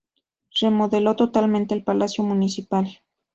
Remodeló totalmente el palacio municipal.